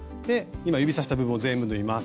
今指さした部分を全部縫います。